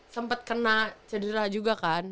sempat kena cedera juga kan